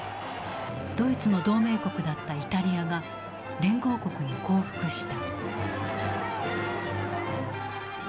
ドイツの同盟国だったイタリアが連合国に降伏した。